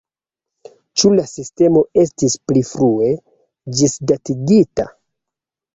Ĉu la sistemo estis pli frue ĝisdatigita?